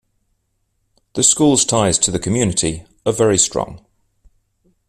The school's ties to the community are very strong.